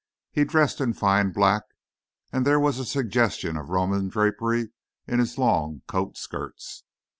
He dressed in fine black, and there was a suggestion of Roman drapery in his long coat skirts.